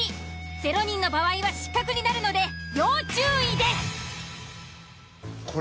０人の場合は失格になるので要注意です。